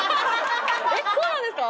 えっそうなんですか？